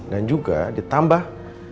dan juga ditambah